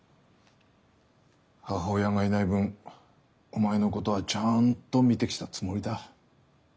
母親がいない分お前のことはちゃんと見てきたつもりだ。